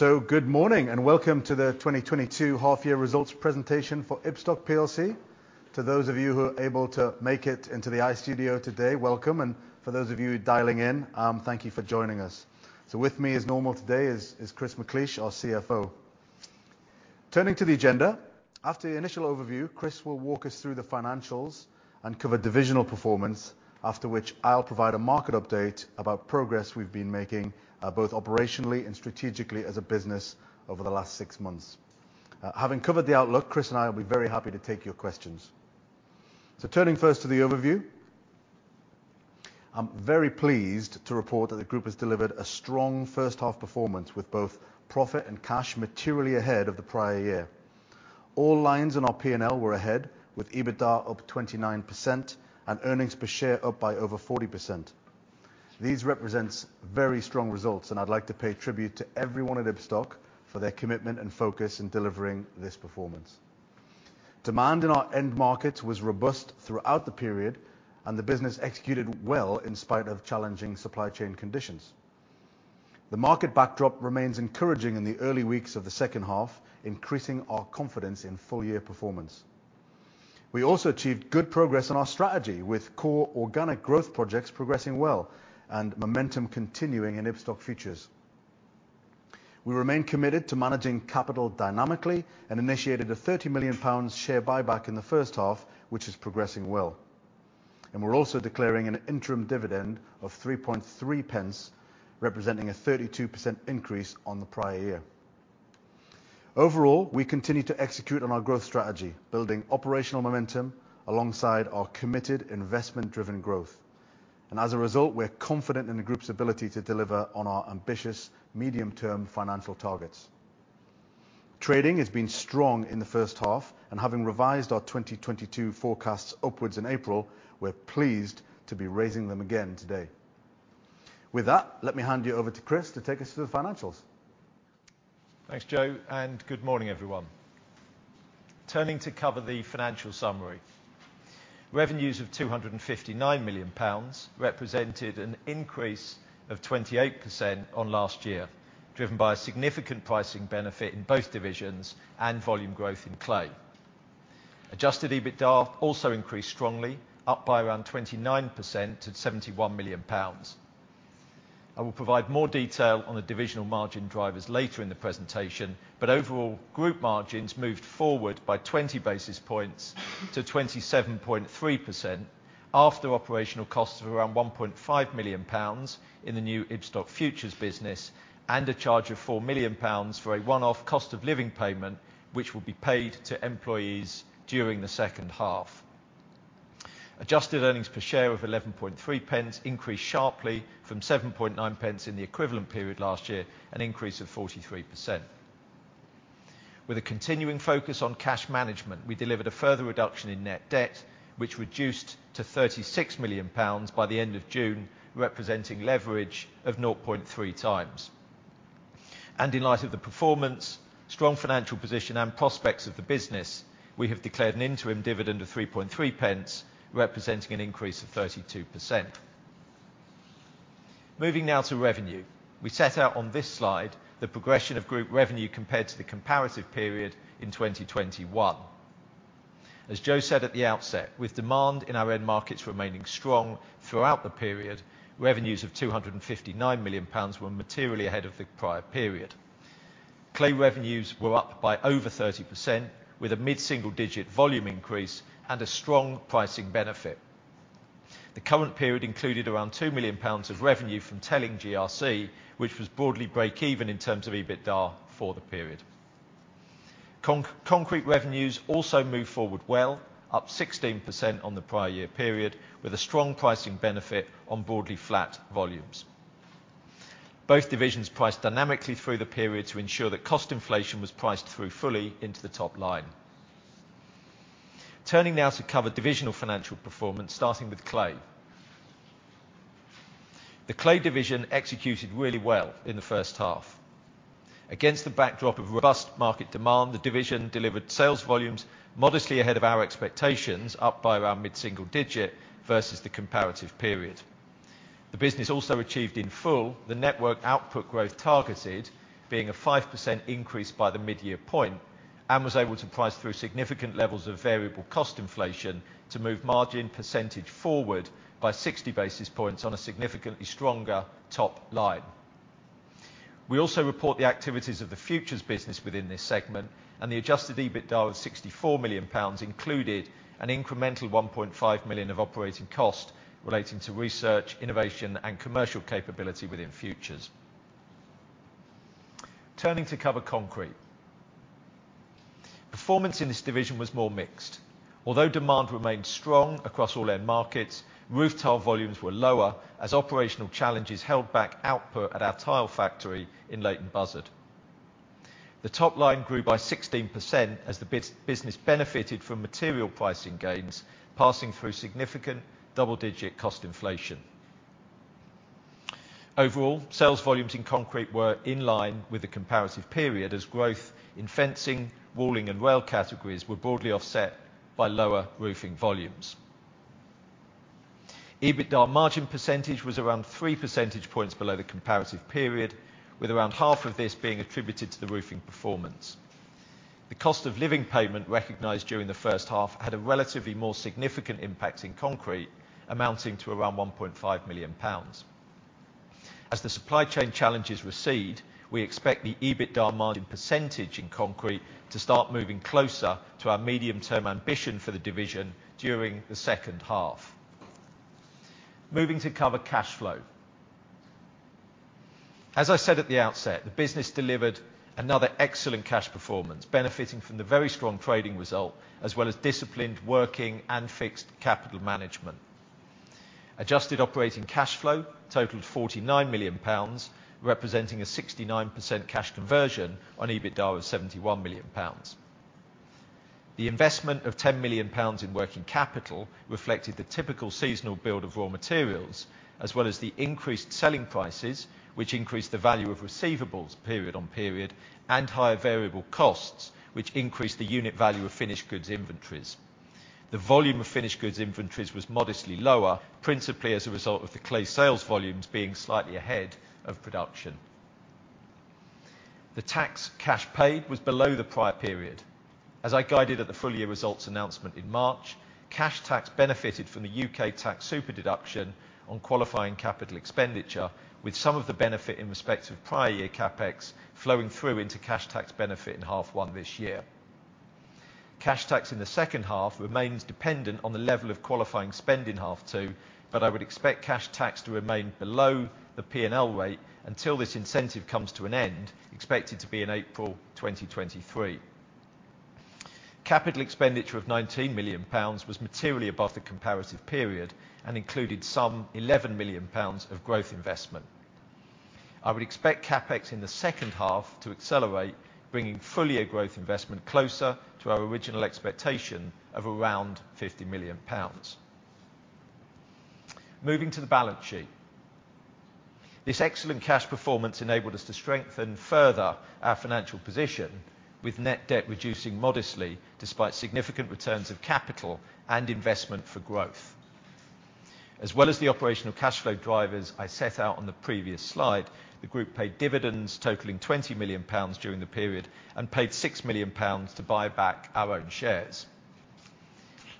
Good morning and welcome to the 2022 half year results presentation for Ibstock plc. To those of you who are able to make it into the I-STUDIO today, welcome. For those of you dialing in, thank you for joining us. With me as normal today is Chris McLeish, our CFO. Turning to the agenda, after the initial overview, Chris will walk us through the financials and cover divisional performance. After which I'll provide a market update about progress we've been making, both operationally and strategically as a business over the last six months. Having covered the outlook, Chris and I will be very happy to take your questions. Turning first to the overview. I'm very pleased to report that the group has delivered a strong first half performance with both profit and cash materially ahead of the prior year. All lines in our P&L were ahead with EBITDA up 29% and earnings per share up by over 40%. These represents very strong results, and I'd like to pay tribute to everyone at Ibstock for their commitment and focus in delivering this performance. Demand in our end markets was robust throughout the period, and the business executed well in spite of challenging supply chain conditions. The market backdrop remains encouraging in the early weeks of the second half, increasing our confidence in full-year performance. We also achieved good progress on our strategy with core organic growth projects progressing well and momentum continuing in Ibstock Futures. We remain committed to managing capital dynamically and initiated a 30 million pounds share buyback in the first half, which is progressing well. We're also declaring an interim dividend of 3.3 pence, representing a 32% increase on the prior year. Overall, we continue to execute on our growth strategy, building operational momentum alongside our committed investment-driven growth. As a result, we're confident in the group's ability to deliver on our ambitious medium-term financial targets. Trading has been strong in the first half, and having revised our 2022 forecasts upwards in April, we're pleased to be raising them again today. With that, let me hand you over to Chris to take us through the financials. Thanks, Joe, and good morning everyone. Turning to cover the financial summary. Revenues of 259 million pounds represented an increase of 28% on last year, driven by a significant pricing benefit in both divisions and volume growth in clay. Adjusted EBITDA also increased strongly, up by around 29% to GBP 71 million. I will provide more detail on the divisional margin drivers later in the presentation, but overall group margins moved forward by 20 basis points to 27.3% after operational costs of around 1.5 million pounds in the new Ibstock Futures business and a charge of 4 million pounds for a one-off cost of living payment, which will be paid to employees during the second half. Adjusted earnings per share of 11.3 pence increased sharply from 7.9 pence in the equivalent period last year, an increase of 43%. With a continuing focus on cash management, we delivered a further reduction in net debt, which reduced to 36 million pounds by the end of June, representing leverage of 0.3x. In light of the performance, strong financial position and prospects of the business, we have declared an interim dividend of 0.033, representing an increase of 32%. Moving now to revenue. We set out on this slide the progression of group revenue compared to the comparative period in 2021. As Joe said at the outset, with demand in our end markets remaining strong throughout the period, revenues of 259 million pounds were materially ahead of the prior period. Clay revenues were up by over 30%, with a mid-single digit volume increase and a strong pricing benefit. The current period included around 2 million pounds of revenue from Telling GRC, which was broadly break even in terms of EBITDA for the period. Concrete revenues also moved forward well, up 16% on the prior year period, with a strong pricing benefit on broadly flat volumes. Both divisions priced dynamically through the period to ensure that cost inflation was priced through fully into the top line. Turning now to cover divisional financial performance, starting with clay. The clay division executed really well in the first half. Against the backdrop of robust market demand, the division delivered sales volumes modestly ahead of our expectations, up by around mid-single digit versus the comparative period. The business also achieved in full the network output growth targeted, being a 5% increase by the mid-year point, and was able to price through significant levels of variable cost inflation to move margin percentage forward by 60 basis points on a significantly stronger top line. We also report the activities of the Futures business within this segment, and the adjusted EBITDA of 64 million pounds included an incremental 1.5 million of operating cost relating to research, innovation, and commercial capability within Futures. Turning to concrete. Performance in this division was more mixed. Although demand remained strong across all end markets, roof tile volumes were lower as operational challenges held back output at our tile factory in Leighton Buzzard. The top line grew by 16% as the business benefited from material pricing gains, passing through significant double-digit cost inflation. Overall, sales volumes in concrete were in line with the comparative period as growth in fencing, walling, and rail categories were broadly offset by lower roofing volumes. EBITDA margin percentage was around 3 percentage points below the comparative period, with around half of this being attributed to the roofing performance. The cost of living payment recognized during the first half had a relatively more significant impact in concrete, amounting to around 1.5 million pounds. As the supply chain challenges recede, we expect the EBITDA margin percentage in concrete to start moving closer to our medium-term ambition for the division during the second half. Moving to cover cash flow. As I said at the outset, the business delivered another excellent cash performance, benefiting from the very strong trading result, as well as disciplined working and fixed capital management. Adjusted operating cash flow totaled 49 million pounds, representing a 69% cash conversion on EBITDA of 71 million pounds. The investment of 10 million pounds in working capital reflected the typical seasonal build of raw materials, as well as the increased selling prices, which increased the value of receivables period on period and higher variable costs, which increased the unit value of finished goods inventories. The volume of finished goods inventories was modestly lower, principally as a result of the clay sales volumes being slightly ahead of production. The tax cash paid was below the prior period. As I guided at the full year results announcement in March, cash tax benefited from the U.K. tax super-deduction on qualifying capital expenditure, with some of the benefit in respect of prior year CapEx flowing through into cash tax benefit in half one this year. Cash tax in the second half remains dependent on the level of qualifying spend in half two, but I would expect cash tax to remain below the P&L rate until this incentive comes to an end, expected to be in April 2023. Capital expenditure of 19 million pounds was materially above the comparative period and included some 11 million pounds of growth investment. I would expect CapEx in the second half to accelerate, bringing full year growth investment closer to our original expectation of around 50 million pounds. Moving to the balance sheet. This excellent cash performance enabled us to strengthen further our financial position with net debt reducing modestly despite significant returns of capital and investment for growth. As well as the operational cash flow drivers I set out on the previous slide, the group paid dividends totaling 20 million pounds during the period and paid 6 million pounds to buy back our own shares.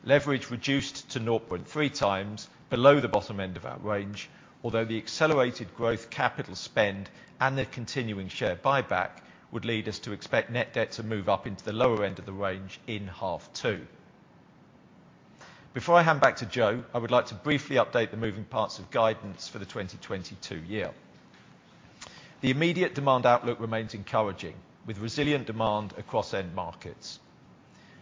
Leverage reduced to 0.3x below the bottom end of our range. Although the accelerated growth capital spend and the continuing share buyback would lead us to expect net debt to move up into the lower end of the range in half two. Before I hand back to Joe, I would like to briefly update the moving parts of guidance for the 2022 year. The immediate demand outlook remains encouraging, with resilient demand across end markets.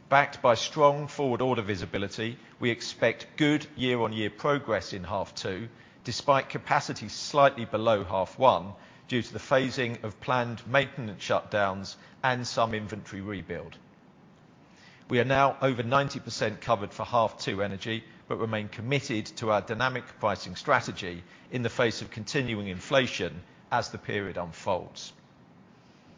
Backed by strong forward order visibility, we expect good year-on-year progress in half two, despite capacity slightly below half one due to the phasing of planned maintenance shutdowns and some inventory rebuild. We are now over 90% covered for half two energy, but remain committed to our dynamic pricing strategy in the face of continuing inflation as the period unfolds.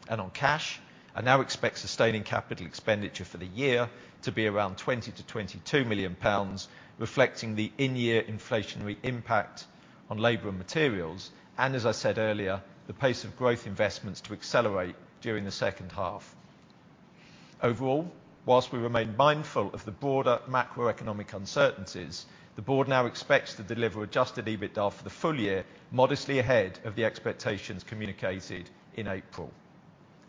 On cash, I now expect sustaining capital expenditure for the year to be around 20 million-22 million pounds, reflecting the in-year inflationary impact on labor and materials, and as I said earlier, the pace of growth investments to accelerate during the second half. Overall, whilst we remain mindful of the broader macroeconomic uncertainties, the board now expects to deliver adjusted EBITDA for the full year, modestly ahead of the expectations communicated in April.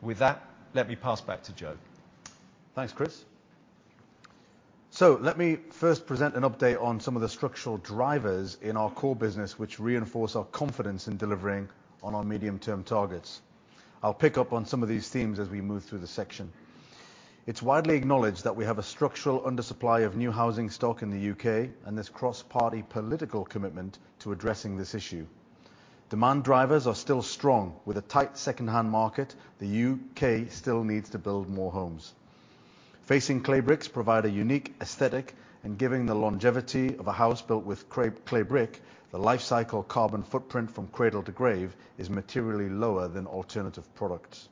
With that, let me pass back to Joe. Thanks, Chris. Let me first present an update on some of the structural drivers in our core business which reinforce our confidence in delivering on our medium-term targets. I'll pick up on some of these themes as we move through the section. It's widely acknowledged that we have a structural undersupply of new housing stock in the U.K. and this cross-party political commitment to addressing this issue. Demand drivers are still strong. With a tight second-hand market, the U.K. still needs to build more homes. Facing clay bricks provide a unique aesthetic, and given the longevity of a house built with clay brick, the life cycle carbon footprint from cradle to grave is materially lower than alternative products.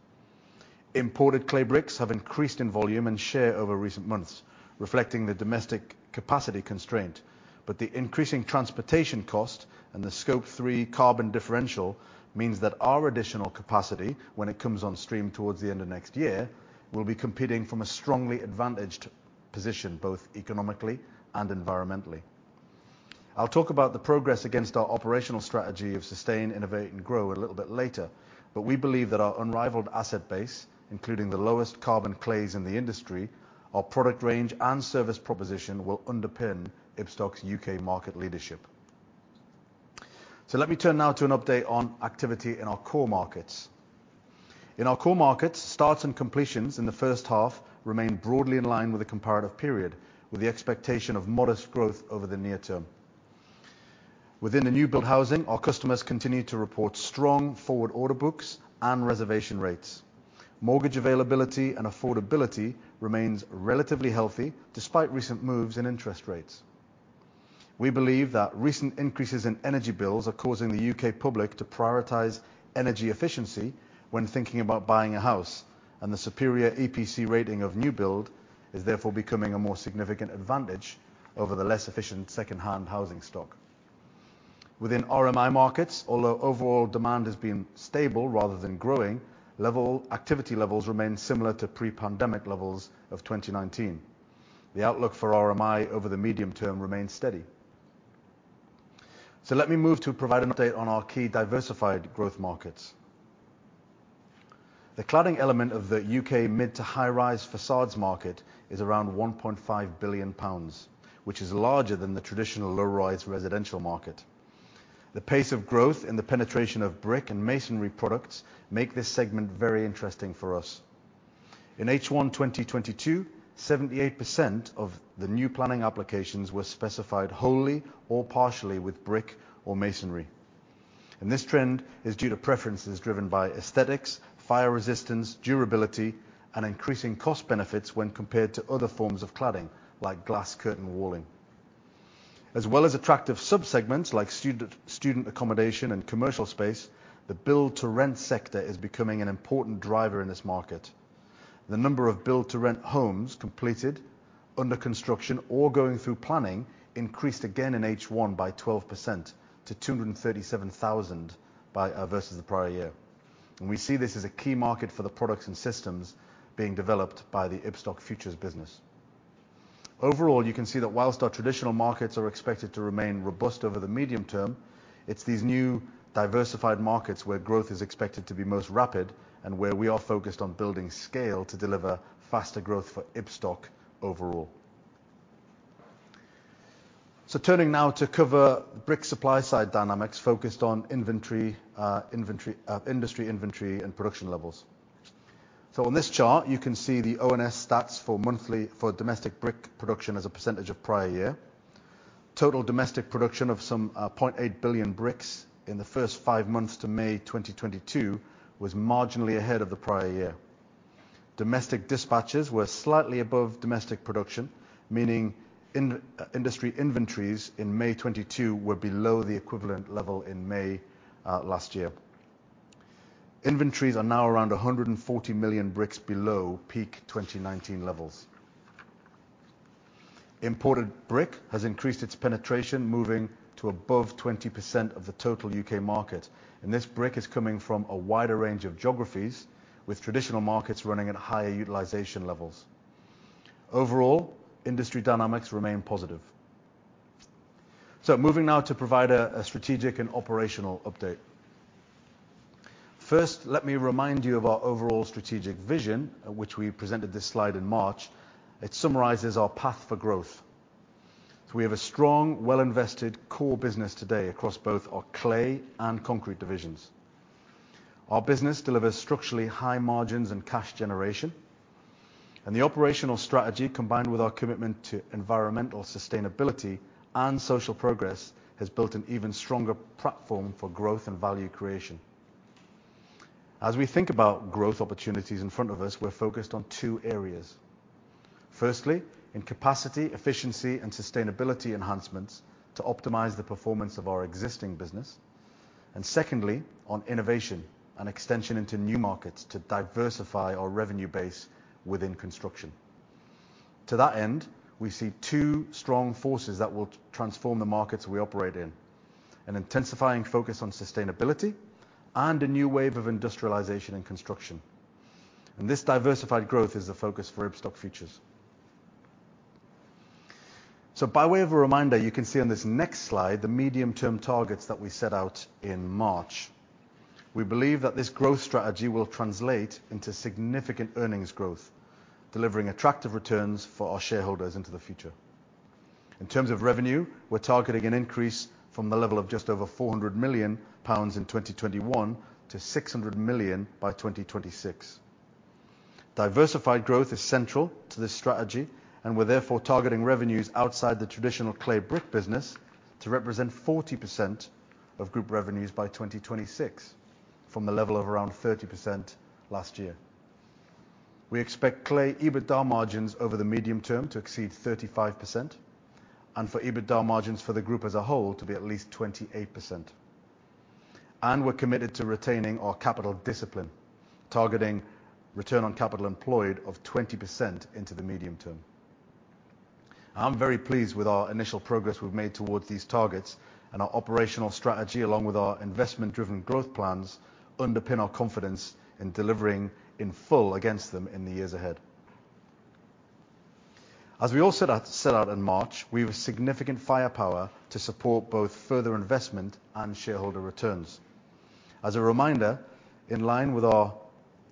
Imported clay bricks have increased in volume and share over recent months, reflecting the domestic capacity constraint. The increasing transportation cost and the Scope Three carbon differential means that our additional capacity, when it comes on stream towards the end of next year, will be competing from a strongly advantaged position, both economically and environmentally. I'll talk about the progress against our operational strategy of sustain, innovate, and grow a little bit later, but we believe that our unrivaled asset base, including the lowest carbon clays in the industry, our product range, and service proposition will underpin Ibstock's U.K. market leadership. Let me turn now to an update on activity in our core markets. In our core markets, starts and completions in the first half remain broadly in line with the comparative period, with the expectation of modest growth over the near term. Within the new build housing, our customers continue to report strong forward order books and reservation rates. Mortgage availability and affordability remains relatively healthy despite recent moves in interest rates. We believe that recent increases in energy bills are causing the U.K. public to prioritize energy efficiency when thinking about buying a house. The superior EPC rating of new build is therefore becoming a more significant advantage over the less efficient second-hand housing stock. Within RMI markets, although overall demand has been stable rather than growing, activity levels remain similar to pre-pandemic levels of 2019. The outlook for RMI over the medium term remains steady. Let me move to provide an update on our key diversified growth markets. The cladding element of the U.K. mid- to high-rise facades market is around 1.5 billion pounds, which is larger than the traditional low-rise residential market. The pace of growth in the penetration of brick and masonry products make this segment very interesting for us. In H1 2022, 78% of the new planning applications were specified wholly or partially with brick or masonry. This trend is due to preferences driven by aesthetics, fire resistance, durability, and increasing cost benefits when compared to other forms of cladding, like glass curtain walling. As well as attractive subsegments like student accommodation and commercial space, the build to rent sector is becoming an important driver in this market. The number of build to rent homes completed under construction or going through planning increased again in H1 by 12% to 237,000 versus the prior year. We see this as a key market for the products and systems being developed by the Ibstock Futures business. Overall, you can see that while our traditional markets are expected to remain robust over the medium term, it's these new diversified markets where growth is expected to be most rapid, and where we are focused on building scale to deliver faster growth for Ibstock overall. Turning now to cover brick supply side dynamics focused on industry inventory and production levels. On this chart, you can see the ONS stats for monthly domestic brick production as a percentage of prior year. Total domestic production of some 0.8 billion bricks in the first five months to May 2022 was marginally ahead of the prior year. Domestic dispatches were slightly above domestic production, meaning industry inventories in May 2022 were below the equivalent level in May last year. Inventories are now around 140 million bricks below peak 2019 levels. Imported brick has increased its penetration, moving to above 20% of the total U.K. market, and this brick is coming from a wider range of geographies with traditional markets running at higher utilization levels. Overall, industry dynamics remain positive. Moving now to provide a strategic and operational update. First, let me remind you of our overall strategic vision, which we presented this slide in March. It summarizes our path for growth. We have a strong, well-invested core business today across both our clay and concrete divisions. Our business delivers structurally high margins and cash generation. The operational strategy, combined with our commitment to environmental sustainability and social progress, has built an even stronger platform for growth and value creation. As we think about growth opportunities in front of us, we're focused on two areas. Firstly, in capacity, efficiency, and sustainability enhancements to optimize the performance of our existing business. Secondly, on innovation and extension into new markets to diversify our revenue base within construction. To that end, we see two strong forces that will transform the markets we operate in. An intensifying focus on sustainability and a new wave of industrialization and construction. This diversified growth is the focus for Ibstock Futures. By way of a reminder, you can see on this next slide the medium-term targets that we set out in March. We believe that this growth strategy will translate into significant earnings growth, delivering attractive returns for our shareholders into the future. In terms of revenue, we're targeting an increase from the level of just over 400 million pounds in 2021 to 600 million by 2026. Diversified growth is central to this strategy, and we're therefore targeting revenues outside the traditional clay brick business to represent 40% of group revenues by 2026 from the level of around 30% last year. We expect clay EBITDA margins over the medium term to exceed 35%, and for EBITDA margins for the group as a whole to be at least 28%. We're committed to retaining our capital discipline, targeting return on capital employed of 20% into the medium term. I'm very pleased with our initial progress we've made towards these targets. Our operational strategy, along with our investment-driven growth plans, underpin our confidence in delivering in full against them in the years ahead. As we all set out in March, we have significant firepower to support both further investment and shareholder returns. As a reminder, in line with our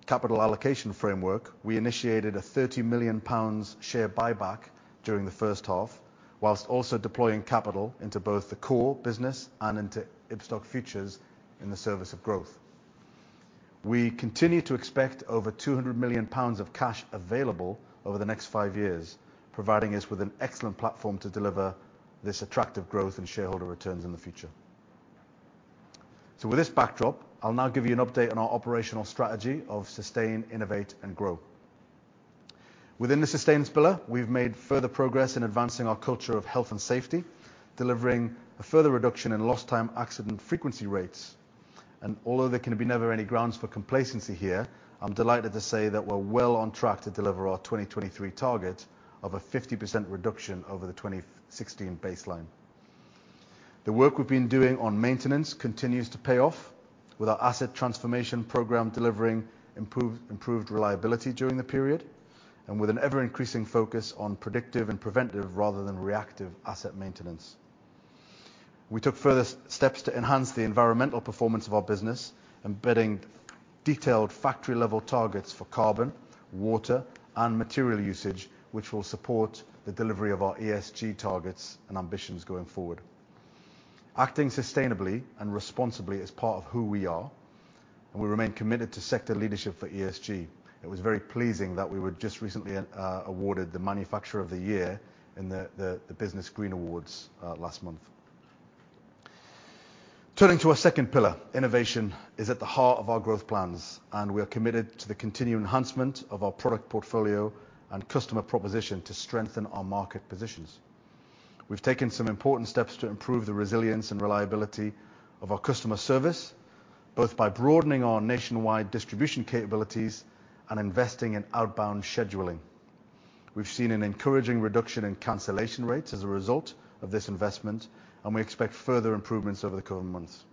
capital allocation framework, we initiated a 30 million pounds share buyback during the first half, while also deploying capital into both the core business and into Ibstock Futures in the service of growth. We continue to expect over 200 million pounds of cash available over the next five years, providing us with an excellent platform to deliver this attractive growth and shareholder returns in the future. With this backdrop, I'll now give you an update on our operational strategy of sustain, innovate, and grow. Within the sustains pillar, we've made further progress in advancing our culture of health and safety, delivering a further reduction in lost time accident frequency rates. Although there can be never any grounds for complacency here, I'm delighted to say that we're well on track to deliver our 2023 target of a 50% reduction over the 2016 baseline. The work we've been doing on maintenance continues to pay off with our Asset Transformation program delivering improved reliability during the period and with an ever-increasing focus on predictive and preventive rather than reactive asset maintenance. We took further steps to enhance the environmental performance of our business, embedding detailed factory level targets for carbon, water, and material usage, which will support the delivery of our ESG targets and ambitions going forward. Acting sustainably and responsibly is part of who we are, and we remain committed to sector leadership for ESG. It was very pleasing that we were just recently awarded the Manufacturer of the Year in the BusinessGreen Awards last month. Turning to our second pillar, innovation is at the heart of our growth plans, and we are committed to the continued enhancement of our product portfolio and customer proposition to strengthen our market positions. We've taken some important steps to improve the resilience and reliability of our customer service, both by broadening our nationwide distribution capabilities and investing in outbound scheduling. We've seen an encouraging reduction in cancellation rates as a result of this investment, and we expect further improvements over the coming months.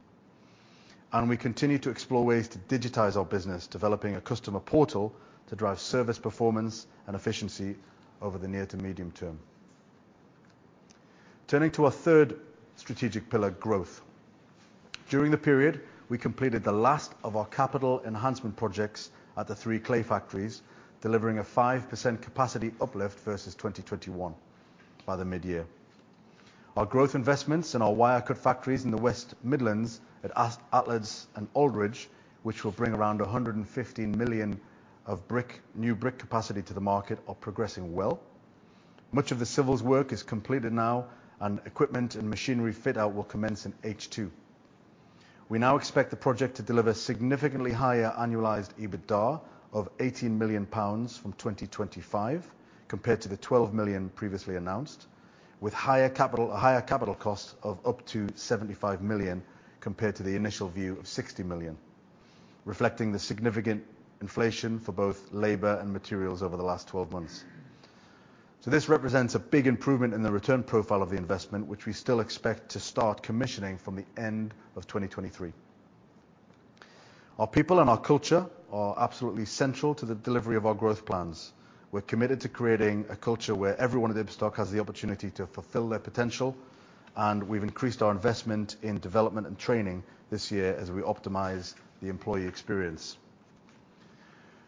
We continue to explore ways to digitize our business, developing a customer portal to drive service performance and efficiency over the near to medium term. Turning to our third strategic pillar, growth. During the period, we completed the last of our capital enhancement projects at the three clay factories, delivering a 5% capacity uplift versus 2021 by the mid-year. Our growth investments in our wire cut factories in the West Midlands at Atlas and Aldridge, which will bring around 115 million of brick, new brick capacity to the market, are progressing well. Much of the civils work is completed now, and equipment and machinery fit-out will commence in H2. We now expect the project to deliver significantly higher annualized EBITDA of 80 million pounds from 2025 compared to the 12 million previously announced, with higher capital, a higher capital cost of up to 75 million compared to the initial view of 60 million, reflecting the significant inflation for both labor and materials over the last twelve months. This represents a big improvement in the return profile of the investment, which we still expect to start commissioning from the end of 2023. Our people and our culture are absolutely central to the delivery of our growth plans. We're committed to creating a culture where everyone at Ibstock has the opportunity to fulfill their potential, and we've increased our investment in development and training this year as we optimize the employee experience.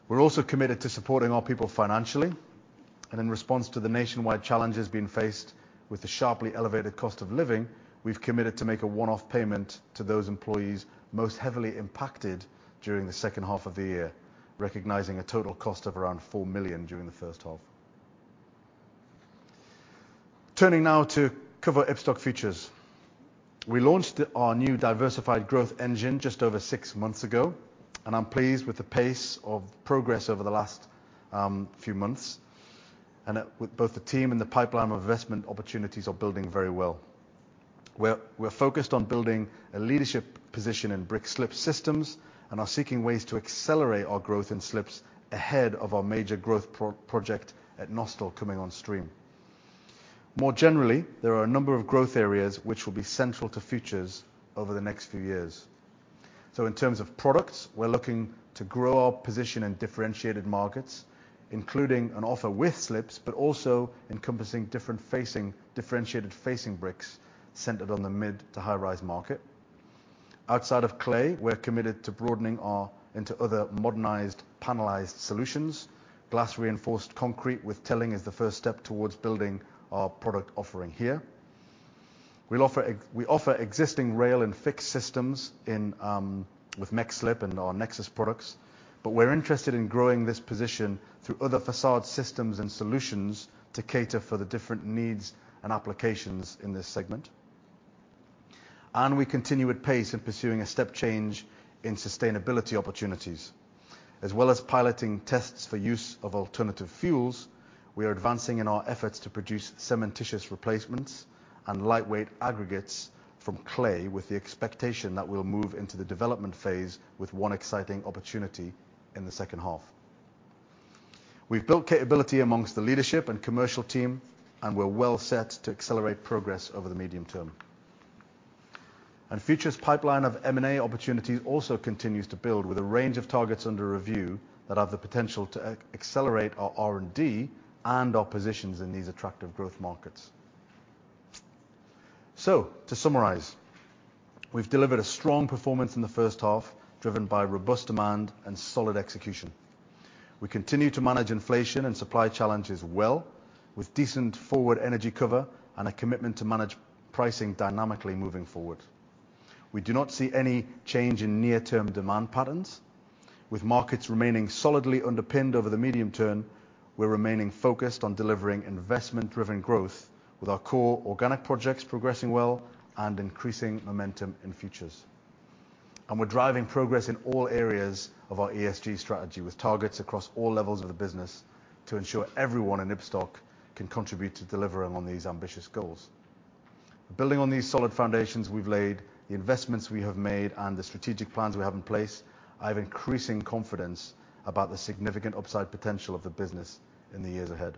We're also committed to supporting our people financially, and in response to the nationwide challenges being faced with the sharply elevated cost of living, we've committed to make a one-off payment to those employees most heavily impacted during the second half of the year, recognizing a total cost of around 4 million during the first half. Turning now to cover Ibstock Futures. We launched our new diversified growth engine just over six months ago, and I'm pleased with the pace of progress over the last few months and that with both the team and the pipeline of investment opportunities are building very well. We're focused on building a leadership position in brick slip systems and are seeking ways to accelerate our growth in slips ahead of our major growth project at Nostell coming on stream. More generally, there are a number of growth areas which will be central to Futures over the next few years. In terms of products, we're looking to grow our position in differentiated markets, including an offer with slips, but also encompassing different facing, differentiated facing bricks centered on the mid- to high-rise market. Outside of clay, we're committed to broadening our into other modernized panelized solutions. Glass-reinforced concrete with Telling is the first step towards building our product offering here. We offer existing rail and fixed systems in with Mechslip and our Nexus products, but we're interested in growing this position through other facade systems and solutions to cater for the different needs and applications in this segment. We continue at pace in pursuing a step change in sustainability opportunities. As well as piloting tests for use of alternative fuels, we are advancing in our efforts to produce cementitious replacements and lightweight aggregates from clay with the expectation that we'll move into the development phase with one exciting opportunity in the second half. We've built capability amongst the leadership and commercial team, and we're well set to accelerate progress over the medium term. Futures pipeline of M&A opportunities also continues to build with a range of targets under review that have the potential to accelerate our R&D and our positions in these attractive growth markets. To summarize, we've delivered a strong performance in the first half, driven by robust demand and solid execution. We continue to manage inflation and supply challenges well with decent forward energy cover and a commitment to manage pricing dynamically moving forward. We do not see any change in near-term demand patterns. With markets remaining solidly underpinned over the medium term, we're remaining focused on delivering investment-driven growth with our core organic projects progressing well and increasing momentum in futures. We're driving progress in all areas of our ESG strategy with targets across all levels of the business to ensure everyone in Ibstock can contribute to delivering on these ambitious goals. Building on these solid foundations we've laid, the investments we have made, and the strategic plans we have in place, I have increasing confidence about the significant upside potential of the business in the years ahead.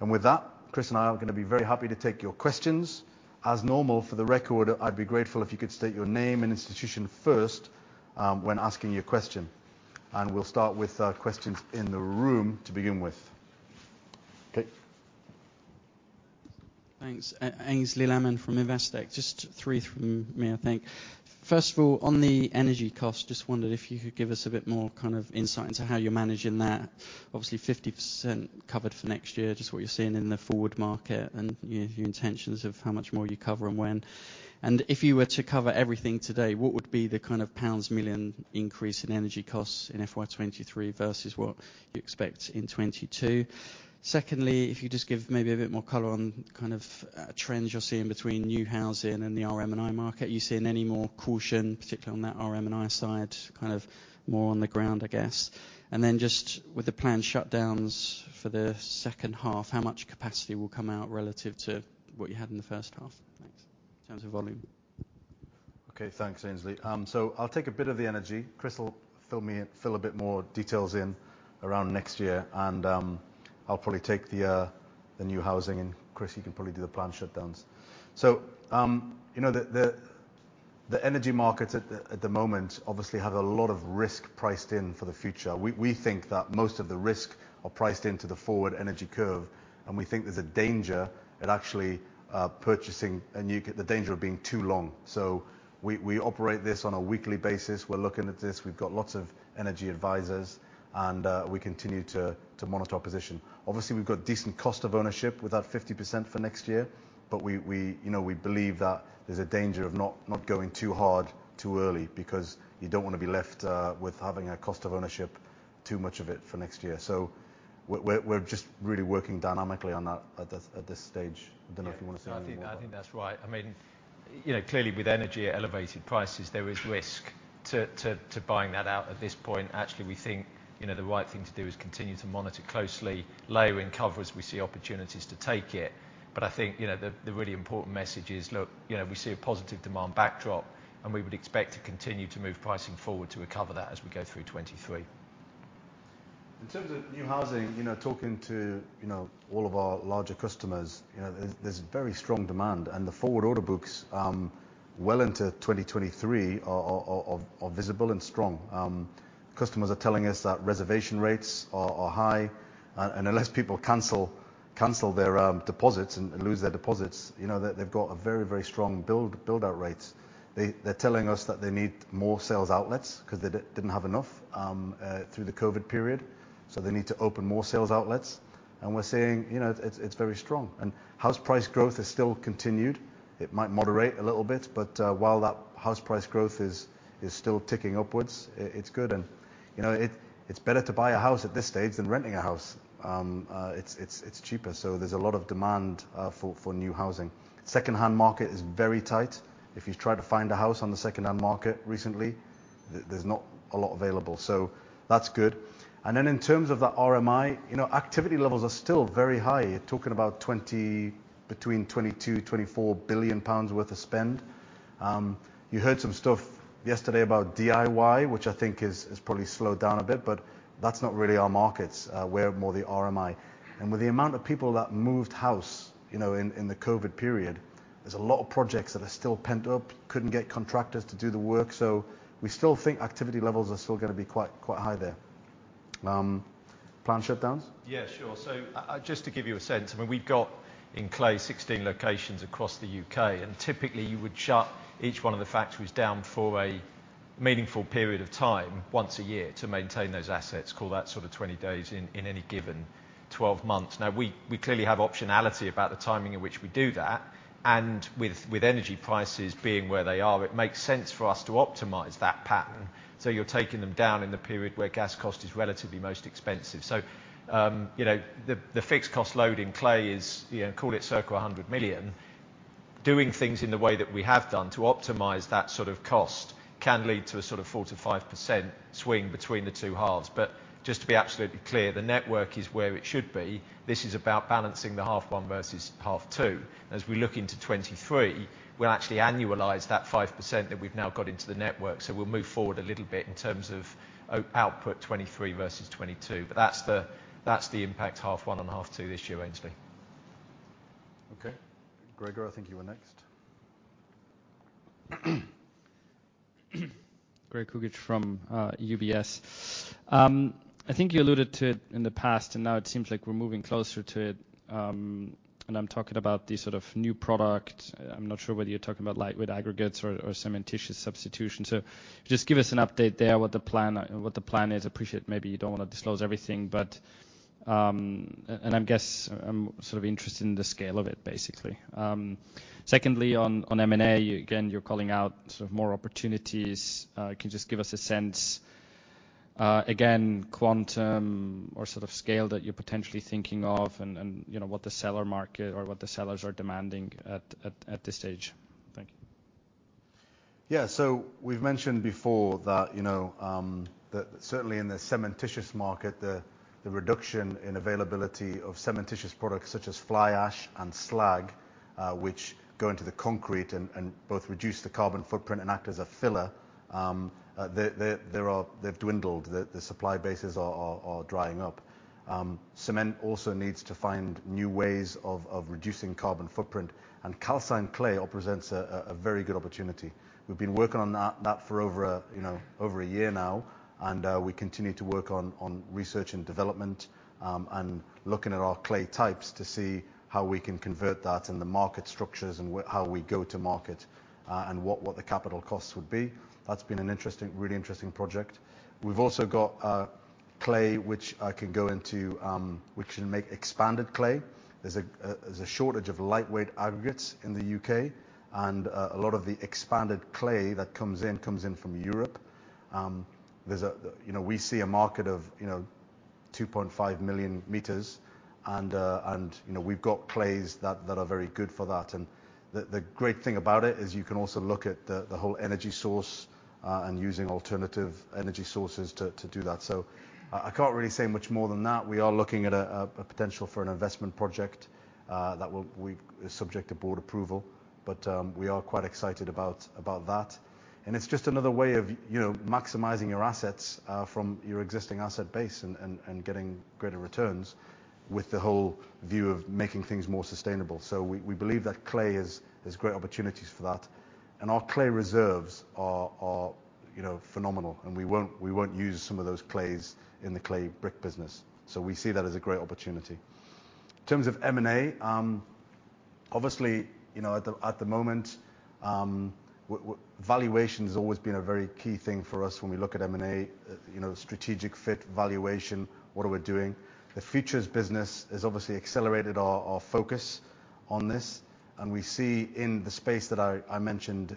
With that, Chris and I are gonna be very happy to take your questions. As normal, for the record, I'd be grateful if you could state your name and institution first, when asking your question. We'll start with our questions in the room to begin with. Okay. Thanks. Aynsley Lammin from Investec. Just three from me, I think. First of all, on the energy cost, just wondered if you could give us a bit more, kind of insight into how you're managing that. Obviously, 50% covered for next year. Just what you're seeing in the forward market and your intentions of how much more you cover and when. If you were to cover everything today, what would be the kind of pounds million increase in energy costs in FY 2023 versus what you expect in 2022? Secondly, if you just give maybe a bit more color on kind of, trends you're seeing between new housing and the RMI market. Are you seeing any more caution, particularly on that RMI side, kind of more on the ground, I guess? just with the planned shutdowns for the second half, how much capacity will come out relative to what you had in the first half? Thanks. In terms of volume. Okay, thanks, Aynsley. I'll take a bit of the energy. Chris will fill in a bit more details around next year, and I'll probably take the new housing. Chris, you can probably do the planned shutdowns. You know, the energy markets at the moment obviously have a lot of risk priced in for the future. We think that most of the risk are priced into the forward energy curve, and we think there's a danger in actually being too long. We operate this on a weekly basis. We're looking at this. We've got lots of energy advisors, and we continue to monitor our position. Obviously, we've got decent cost of ownership with that 50% for next year, but we, you know, we believe that there's a danger of not going too hard too early because you don't wanna be left with having a cost of ownership, too much of it for next year. We're just really working dynamically on that at this stage. Don't know if you wanna say anything more about that. Yeah. No, I think that's right. I mean, you know, clearly with energy at elevated prices, there is risk to buying that out at this point. Actually, we think, you know, the right thing to do is continue to monitor closely, layering cover as we see opportunities to take it. But I think, you know, the really important message is, look, you know, we see a positive demand backdrop, and we would expect to continue to move pricing forward to recover that as we go through 2023. In terms of new housing, you know, talking to, you know, all of our larger customers, you know, there's very strong demand. The forward order books well into 2023 are visible and strong. Customers are telling us that reservation rates are high. Unless people cancel their deposits and lose their deposits, you know, they've got a very strong build out rates. They're telling us that they need more sales outlets 'cause they didn't have enough through the COVID period, so they need to open more sales outlets. We're seeing, you know, it's very strong. House price growth has still continued. It might moderate a little bit, but while that house price growth is still ticking upwards, it's good. You know, it's better to buy a house at this stage than renting a house. It's cheaper, so there's a lot of demand for new housing. Secondhand market is very tight. If you've tried to find a house on the secondhand market recently, there's not a lot available. That's good. Then in terms of the RMI, you know, activity levels are still very high. You're talking about between 22 billion and 24 billion pounds worth of spend. You heard some stuff yesterday about DIY, which I think is probably slowed down a bit, but that's not really our markets. We're more the RMI. With the amount of people that moved house, you know, in the Covid period, there's a lot of projects that are still pent up. Couldn't get contractors to do the work. We still think activity levels are still gonna be quite high there. Planned shutdowns? Yeah, sure. Just to give you a sense, I mean, we've got in clay 16 locations across the U.K., and typically, you would shut each one of the factories down for a meaningful period of time once a year to maintain those assets. Call that sort of 20 days in any given 12 months. We clearly have optionality about the timing in which we do that, and with energy prices being where they are, it makes sense for us to optimize that pattern. You're taking them down in the period where gas cost is relatively most expensive. You know, the fixed cost load in clay is, you know, call it circa 100 million. Doing things in the way that we have done to optimize that sort of cost can lead to a sort of 4%-5% swing between the two halves. Just to be absolutely clear, the network is where it should be. This is about balancing the half one versus half two. As we look into 2023, we'll actually annualize that 5% that we've now got into the network, so we'll move forward a little bit in terms of our output 2023 versus 2022. That's the impact half one and half two this year, Aynsley. Okay. Gregor, I think you were next. Gregor Kuglitsch from UBS. I think you alluded to it in the past, and now it seems like we're moving closer to it. I'm talking about the sort of new product. I'm not sure whether you're talking about lightweight aggregates or cementitious substitution. So just give us an update there, what the plan is. Appreciate maybe you don't wanna disclose everything, but. I guess I'm sort of interested in the scale of it, basically. Secondly, on M&A, again, you're calling out sort of more opportunities. Can you just give us a sense Again, quantum or sort of scale that you're potentially thinking of and, you know, what the seller market or what the sellers are demanding at this stage. Thank you. Yeah. We've mentioned before that, you know, that certainly in the cementitious market, the reduction in availability of cementitious products such as fly ash and slag, which go into the concrete and both reduce the carbon footprint and act as a filler, they've dwindled. The supply bases are drying up. Cement also needs to find new ways of reducing carbon footprint, and calcined clay presents a very good opportunity. We've been working on that for over a year now, and we continue to work on research and development, and looking at our clay types to see how we can convert that and the market structures and how we go to market, and what the capital costs would be. That's been an interesting, really interesting project. We've also got a clay which I can go into, which can make expanded clay. There's a shortage of lightweight aggregates in the U.K., and a lot of the expanded clay that comes in comes in from Europe. You know, we see a market of, you know, 2.5 million meters, and you know, we've got clays that are very good for that. The great thing about it is you can also look at the whole energy source and using alternative energy sources to do that. I can't really say much more than that. We are looking at a potential for an investment project that will subject to board approval, but we are quite excited about that. It's just another way of, you know, maximizing your assets from your existing asset base and getting greater returns with the whole view of making things more sustainable. We believe that clay has great opportunities for that. Our clay reserves are, you know, phenomenal, and we won't use some of those clays in the clay brick business. We see that as a great opportunity. In terms of M&A, obviously, you know, at the moment, valuation has always been a very key thing for us when we look at M&A, you know, strategic fit valuation, what are we doing. The futures business has obviously accelerated our focus on this. We see in the space that I mentioned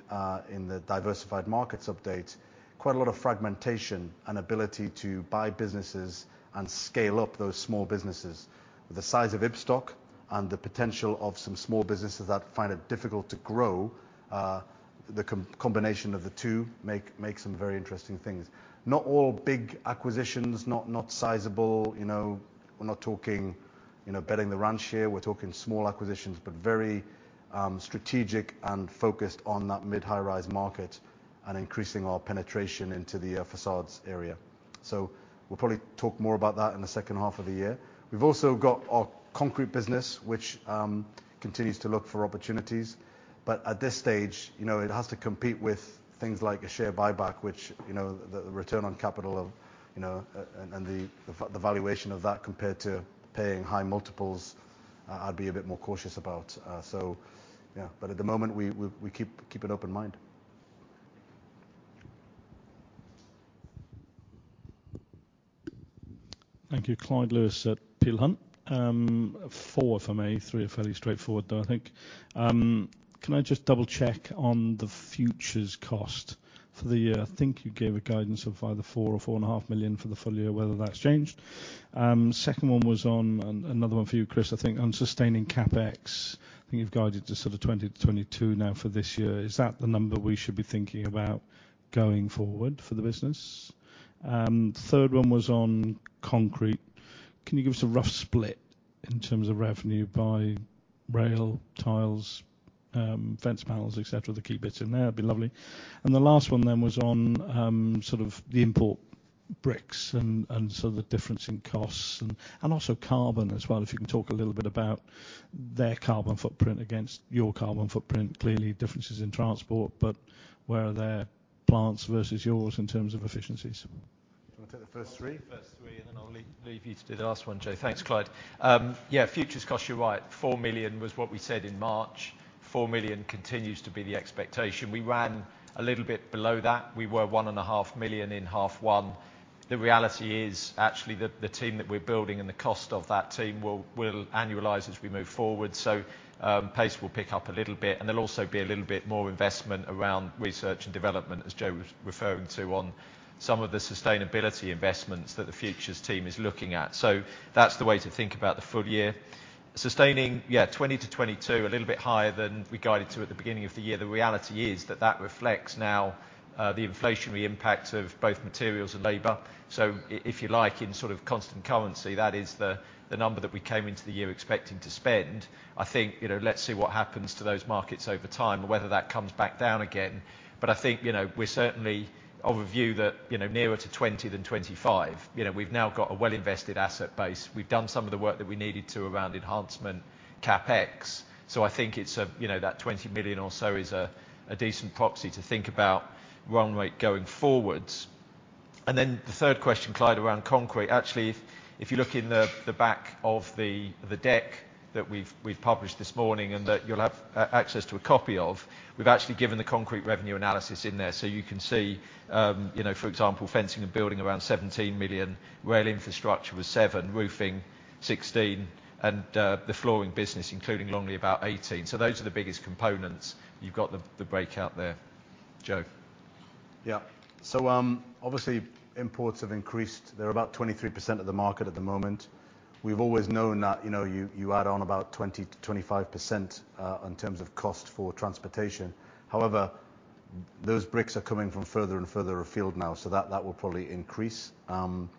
in the diversified markets update quite a lot of fragmentation and ability to buy businesses and scale up those small businesses. The size of Ibstock and the potential of some small businesses that find it difficult to grow, the combination of the two make some very interesting things. Not all big acquisitions, not sizable, you know. We're not talking, you know, betting the ranch here. We're talking small acquisitions, but very strategic and focused on that mid-high rise market and increasing our penetration into the facades area. We'll probably talk more about that in the second half of the year. We've also got our concrete business, which continues to look for opportunities. At this stage, you know, it has to compete with things like a share buyback, which, you know, the return on capital of, you know, the valuation of that compared to paying high multiples, I'd be a bit more cautious about. Yeah. At the moment, we keep an open mind. Thank you. Clyde Lewis at Peel Hunt. Four if I may. Three are fairly straightforward, though I think. Can I just double check on the futures cost for the year? I think you gave a guidance of either 4 million or 4.5 million for the full year, whether that's changed? Second one was on another one for you, Chris, I think on sustaining CapEx. I think you've guided to sort of 20 million-22 million now for this year. Is that the number we should be thinking about going forward for the business? Third one was on concrete. Can you give us a rough split in terms of revenue by rail, tiles, fence panels, et cetera? The key bits in there, be lovely. The last one then was on sort of the import bricks and so the difference in costs and also carbon as well. If you can talk a little bit about their carbon footprint against your carbon footprint. Clearly differences in transport, but where are their plants versus yours in terms of efficiencies? Do you wanna take the first three? First three, and then I'll leave you to do the last one, Joe. Thanks, Clyde. Futures cost, you're right. 4 million was what we said in March. 4 million continues to be the expectation. We ran a little bit below that. We were 1.5 million in half one. The reality is, actually, the team that we're building and the cost of that team will annualize as we move forward. Pace will pick up a little bit, and there'll be a little bit more investment around research and development, as Joe was referring to on some of the sustainability investments that the Futures team is looking at. That's the way to think about the full year. Sustaining 20%-22%, a little bit higher than we guided to at the beginning of the year. The reality is that that reflects now the inflationary impact of both materials and labor. If you like, in sort of constant currency, that is the number that we came into the year expecting to spend. I think, you know, let's see what happens to those markets over time, whether that comes back down again. I think, you know, we're certainly of a view that, you know, nearer to 20 than 25. You know, we've now got a well-invested asset base. We've done some of the work that we needed to around enhancement CapEx. I think it's a, you know, that 20 million or so is a decent proxy to think about run rate going forwards. Then the third question, Clyde, around concrete, actually, if you look in the back of the deck that we've published this morning and that you'll have access to a copy of, we've actually given the concrete revenue analysis in there. You can see, you know, for example, fencing and building around 17 million, rail infrastructure was 7 million, roofing 16 million, and the flooring business, including Longley, about 18 million. Those are the biggest components. You've got the breakout there. Joe? Yeah. Obviously imports have increased. They're about 23% of the market at the moment. We've always known that, you know, you add on about 20%-25% in terms of cost for transportation. However, those bricks are coming from further and further afield now, so that will probably increase. I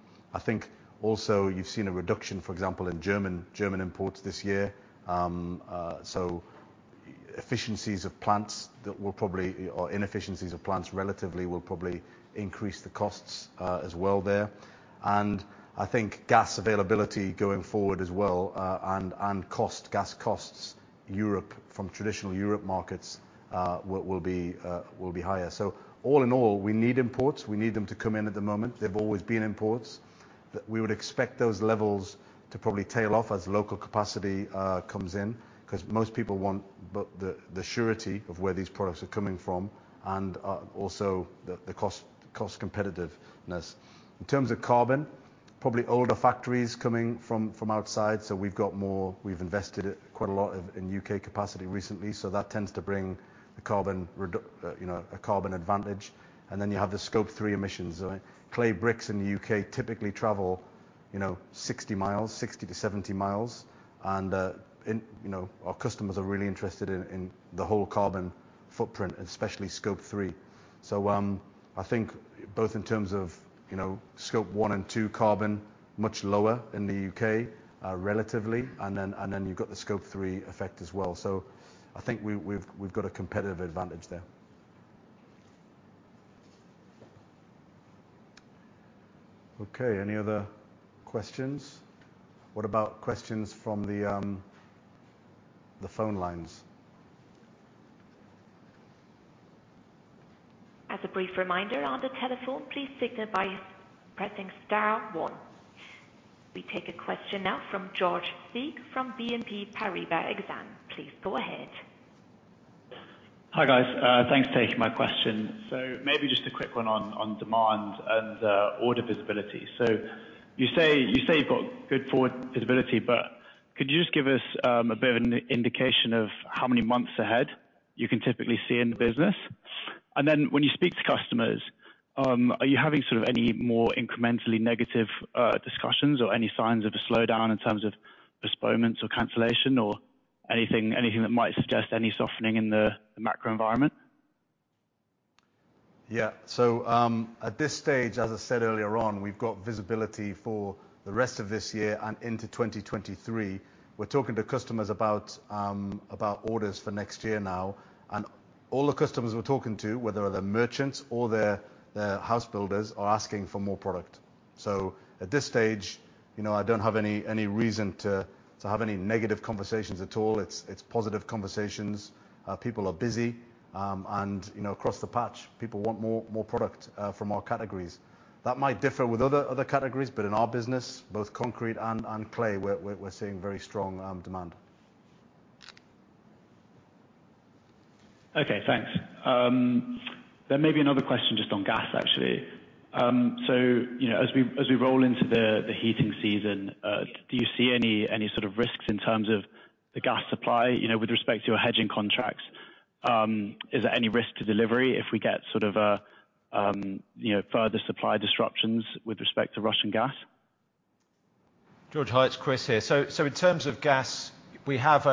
think also you've seen a reduction, for example, in German imports this year. Inefficiencies of plants relatively will probably increase the costs as well there. I think gas availability going forward as well, and gas costs from traditional European markets, will be higher. All in all, we need imports. We need them to come in at the moment. There's always been imports, but we would expect those levels to probably tail off as local capacity comes in, 'cause most people want both the surety of where these products are coming from and also the cost competitiveness. In terms of carbon, probably older factories coming from outside, so we've got more. We've invested quite a lot in U.K. capacity recently, so that tends to bring the carbon advantage. You have the Scope Three emissions. Clay bricks in the U.K. typically travel, you know, 60 miles, 60-70 mi and, you know, our customers are really interested in the whole carbon footprint, especially Scope Three. I think both in terms of, you know, Scope 1 and 2 carbon, much lower in the U.K., relatively, and then you've got the Scope 3 effect as well. I think we've got a competitive advantage there. Okay, any other questions? What about questions from the phone lines? As a brief reminder, on the telephone, please signal by pressing star one. We take a question now from George Speak from BNP Paribas Exane. Please go ahead. Hi, guys. Thanks for taking my question. Maybe just a quick one on demand and order visibility. You say you've got good forward visibility, but could you just give us a bit of an indication of how many months ahead you can typically see in the business? Then when you speak to customers, are you having sort of any more incrementally negative discussions or any signs of a slowdown in terms of postponements or cancellation or anything that might suggest any softening in the macro environment? Yeah. At this stage, as I said earlier on, we've got visibility for the rest of this year and into 2023. We're talking to customers about about orders for next year now. All the customers we're talking to, whether they're merchants or they're house builders, are asking for more product. At this stage, you know, I don't have any reason to have any negative conversations at all. It's positive conversations. People are busy, you know, across the patch, people want more product from our categories. That might differ with other categories, but in our business, both concrete and clay, we're seeing very strong demand. Okay, thanks. There may be another question just on gas actually. So, you know, as we roll into the heating season, do you see any sort of risks in terms of the gas supply, you know, with respect to your hedging contracts? Is there any risk to delivery if we get sort of a, you know, further supply disruptions with respect to Russian gas? George, hi, it's Chris here. In terms of gas, we have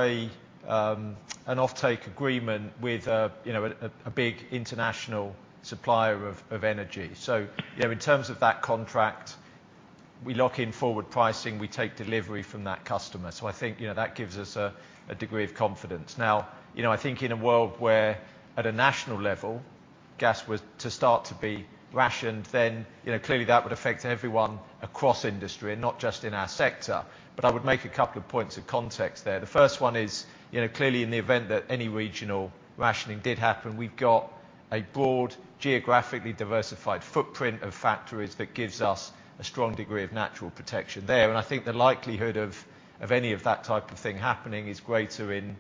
an offtake agreement with you know a big international supplier of energy. In terms of that contract, we lock in forward pricing. We take delivery from that customer. I think that gives us a degree of confidence. I think in a world where at a national level, gas was to start to be rationed, then clearly that would affect everyone across industry and not just in our sector. I would make a couple of points of context there. The first one is clearly in the event that any regional rationing did happen, we've got a broad, geographically diversified footprint of factories that gives us a strong degree of natural protection there. I think the likelihood of any of that type of thing happening is greater in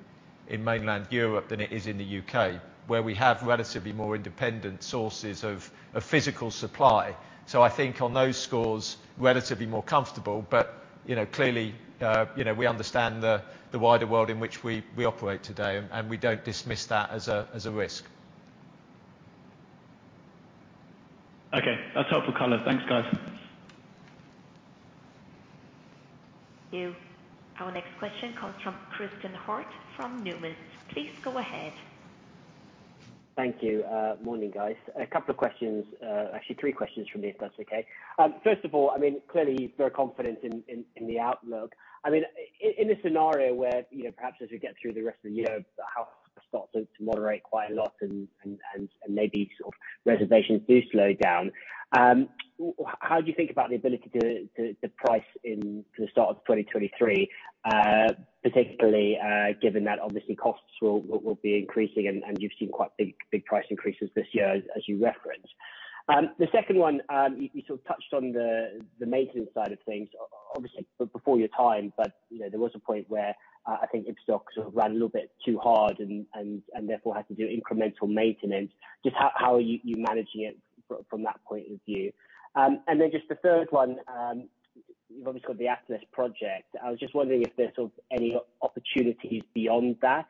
mainland Europe than it is in the U.K., where we have relatively more independent sources of physical supply. I think on those scores, relatively more comfortable. You know, clearly, you know, we understand the wider world in which we operate today, and we don't dismiss that as a risk. Okay. That's helpful color. Thanks, guys. Thank you. Our next question comes from Christen Hjorth from Numis. Please go ahead. Thank you. Morning, guys. A couple of questions, actually three questions from me if that's okay. First of all, I mean, clearly you're confident in the outlook. I mean in a scenario where, you know, perhaps as we get through the rest of the year, the house starts to moderate quite a lot and maybe sort of reservations do slow down, how do you think about the ability to price in the start of 2023, particularly given that obviously costs will be increasing and you've seen quite big price increases this year as you referenced? The second one, you sort of touched on the maintenance side of things. Obviously before your time, but you know, there was a point where I think Ibstock sort of ran a little bit too hard and therefore had to do incremental maintenance. Just how are you managing it from that point of view? Then just the third one. You've obviously got the Atlas project. I was just wondering if there's sort of any opportunities beyond that,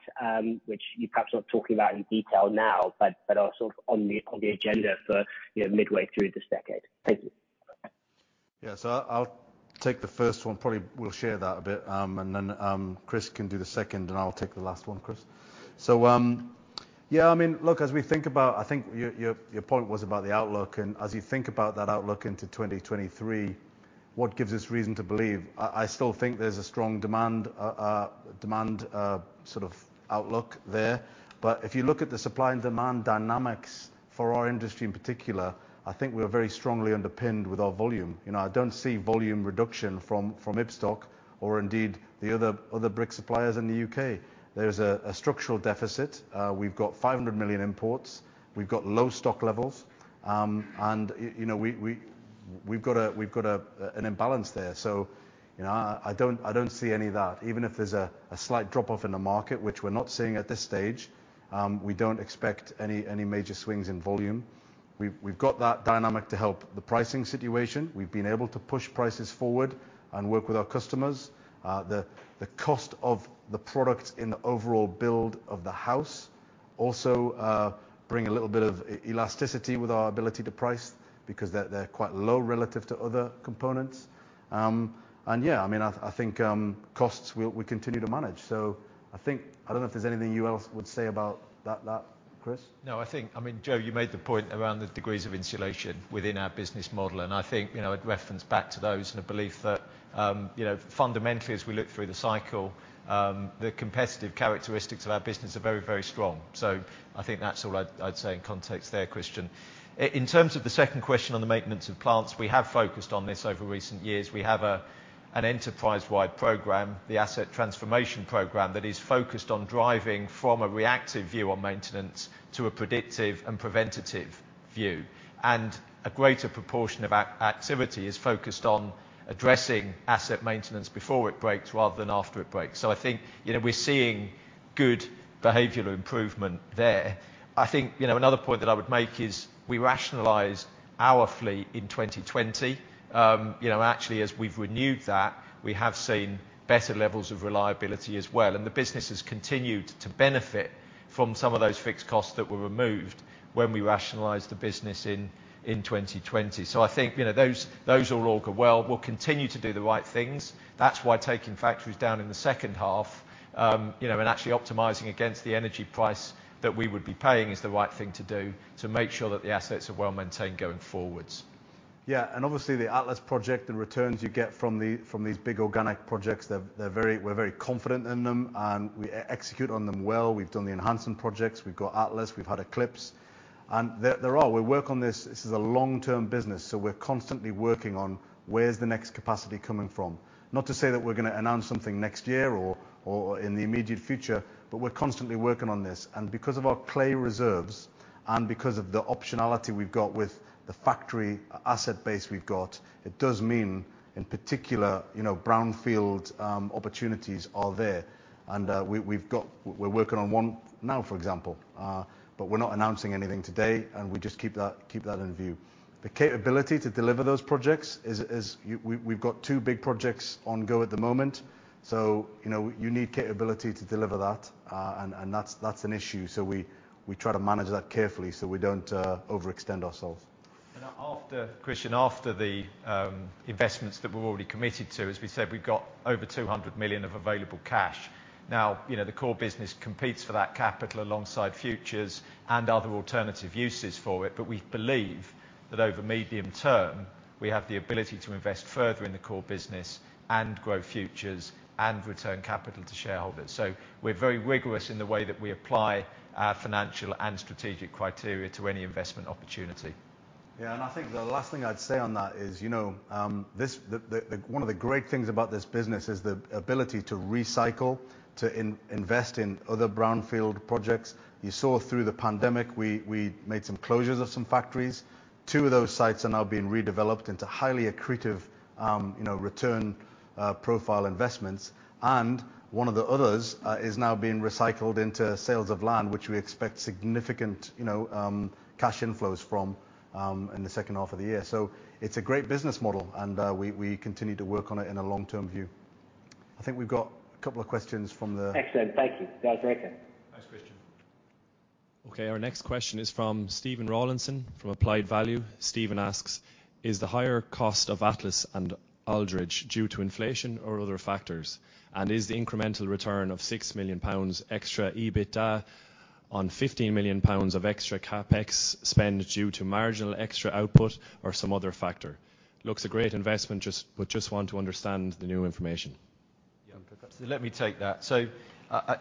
which you perhaps not talking about in detail now, but also on the agenda for you know, midway through this decade. Thank you. Yes. I'll take the first one. Probably we'll share that a bit. And then, Chris can do the second, and I'll take the last one, Chris. I mean, look, as we think about, I think your point was about the outlook, and as you think about that outlook into 2023, what gives us reason to believe? I still think there's a strong demand sort of outlook there. If you look at the supply and demand dynamics for our industry in particular, I think we are very strongly underpinned with our volume. You know, I don't see volume reduction from Ibstock or indeed the other brick suppliers in the U.K. There's a structural deficit. We've got 500 million imports. We've got low stock levels. You know, we've got an imbalance there. You know, I don't see any of that. Even if there's a slight drop-off in the market, which we're not seeing at this stage, we don't expect any major swings in volume. We've got that dynamic to help the pricing situation. We've been able to push prices forward and work with our customers. The cost of the product in the overall build of the house also brings a little bit of elasticity with our ability to price because they're quite low relative to other components. I mean, I think costs we continue to manage. I think I don't know if there's anything else you would say about that, Chris. No, I think. I mean, Joe, you made the point around the degrees of insulation within our business model, and I think, you know, it referenced back to those and a belief that, you know, fundamentally as we look through the cycle, the competitive characteristics of our business are very, very strong. So I think that's all I'd say in context there, Christen. In terms of the second question on the maintenance of plants, we have focused on this over recent years. We have an enterprise-wide program, the Asset Transformation program that is focused on driving from a reactive view on maintenance to a predictive and preventative view. A greater proportion of activity is focused on addressing asset maintenance before it breaks rather than after it breaks. So I think, you know, we're seeing good behavioral improvement there. I think, you know, another point that I would make is we rationalized our fleet in 2020. You know, actually as we've renewed that, we have seen better levels of reliability as well, and the business has continued to benefit from some of those fixed costs that were removed when we rationalized the business in 2020. I think, you know, those all augur well. We'll continue to do the right things. That's why taking factories down in the second half, you know, and actually optimizing against the energy price that we would be paying is the right thing to do to make sure that the assets are well-maintained going forwards. Yeah. Obviously the Atlas project, the returns you get from the these big organic projects, they're very we're very confident in them, and we execute on them well. We've done the enhancement projects. We've got Atlas. We've had Eclipse. They're all. We work on this. This is a long-term business, so we're constantly working on where's the next capacity coming from. Not to say that we're gonna announce something next year or in the immediate future, but we're constantly working on this. Because of our clay reserves and because of the optionality we've got with the factory asset base we've got, it does mean in particular, you know, brownfield opportunities are there. We're working on one now, for example. But we're not announcing anything today, and we just keep that in view. The capability to deliver those projects. We've got two big projects ongoing at the moment. You know, you need capability to deliver that, and that's an issue. We try to manage that carefully so we don't overextend ourselves. After, Christen, the investments that we're already committed to, as we said, we've got over 200 million of available cash. Now, you know, the core business competes for that capital alongside Futures and other alternative uses for it, but we believe that over medium term, we have the ability to invest further in the core business and grow Futures and return capital to shareholders. We're very rigorous in the way that we apply our financial and strategic criteria to any investment opportunity. Yeah. I think the last thing I'd say on that is, you know, one of the great things about this business is the ability to recycle, to invest in other brownfield projects. You saw through the pandemic, we made some closures of some factories. Two of those sites are now being redeveloped into highly accretive, you know, return profile investments. One of the others is now being recycled into sales of land, which we expect significant, you know, cash inflows from, in the second half of the year. It's a great business model, and we continue to work on it in a long-term view. I think we've got a couple of questions. Excellent. Thank you. That's okay. Thanks, Christen. Okay. Our next question is from Stephen Rawlinson from Applied Value. Stephen asks, "Is the higher cost of Atlas and Aldridge due to inflation or other factors? And is the incremental return of 6 million pounds extra EBITDA on 15 million pounds of extra CapEx spend due to marginal extra output or some other factor? Looks like a great investment, but just want to understand the new information. Yeah. Let me take that.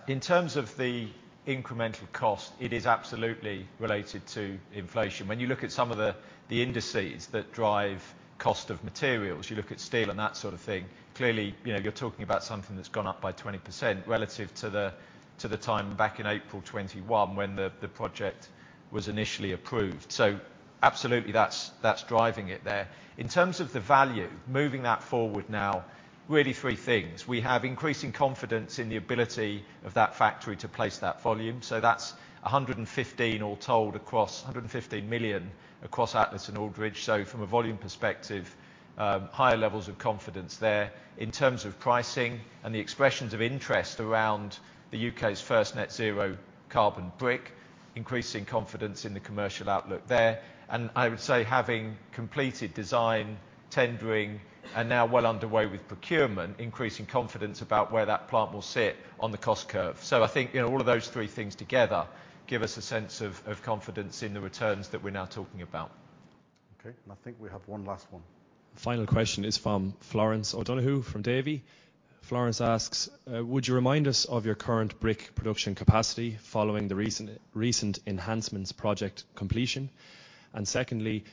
In terms of the incremental cost, it is absolutely related to inflation. When you look at some of the indices that drive cost of materials, you look at steel and that sort of thing, clearly, you know, you're talking about something that's gone up by 20% relative to the time back in April 2021 when the project was initially approved. Absolutely that's driving it there. In terms of the value, moving that forward now. Really three things. We have increasing confidence in the ability of that factory to place that volume. That's 115 million all told across Atlas and Aldridge. From a volume perspective, higher levels of confidence there. In terms of pricing and the expressions of interest around the U.K.'s first net zero carbon brick, increasing confidence in the commercial outlook there. I would say having completed design, tendering, and now well underway with procurement, increasing confidence about where that plant will sit on the cost curve. I think, you know, all of those three things together give us a sense of confidence in the returns that we're now talking about. Okay. I think we have one last one. Final question is from Florence O'Donoghue from Davy. Florence asks, "Would you remind us of your current brick production capacity following the recent enhancements project completion? And secondly,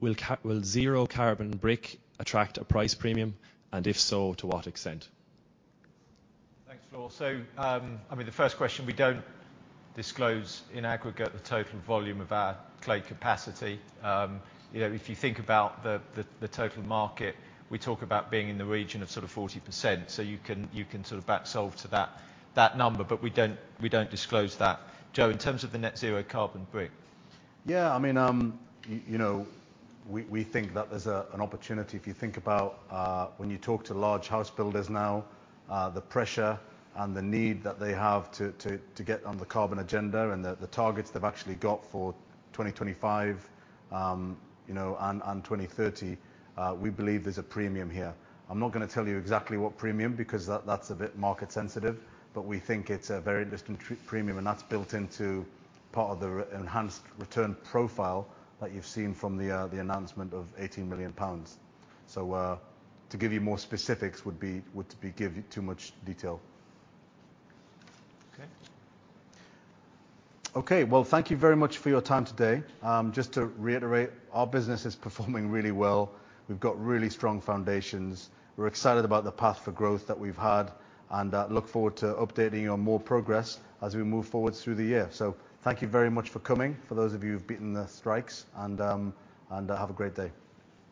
will zero carbon brick attract a price premium, and if so, to what extent? Thanks, Florence. I mean, the first question, we don't disclose in aggregate the total volume of our clay capacity. You know, if you think about the total market, we talk about being in the region of sort of 40%. You can sort of back solve to that number. But we don't disclose that. Joe, in terms of the net zero carbon brick. Yeah. I mean, you know, we think that there's an opportunity. If you think about when you talk to large house builders now, the pressure and the need that they have to get on the carbon agenda and the targets they've actually got for 2025, you know, and 2030, we believe there's a premium here. I'm not gonna tell you exactly what premium because that's a bit market sensitive, but we think it's a very interesting premium, and that's built into part of the re-enhanced return profile that you've seen from the announcement of 18 million pounds. To give you more specifics would be give too much detail. Okay. Okay. Well, thank you very much for your time today. Just to reiterate, our business is performing really well. We've got really strong foundations. We're excited about the path for growth that we've had, and look forward to updating you on more progress as we move forward through the year. Thank you very much for coming for those of you who've beaten the strikes, and have a great day.